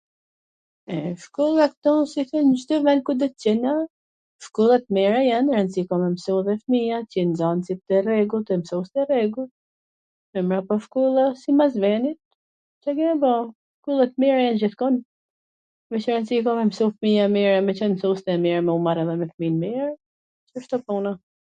Shkolla ktu si n Cdo ven kudo q jena, shkollat t mira jan, rwndsi ka me msu dhe fmija, t jen nxansit e rregullt, tw msojn me rregull, e mbrapa shkolla simas venit, Ca ka me ba? Shkollat t mira jan gjithkun, veC rwndsi ka me msu fmija mir e me qwn msust e mir me u marr edhe me fmin mir, kshtu puna